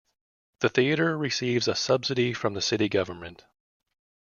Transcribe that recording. The theatre receives a subsidy from the city government.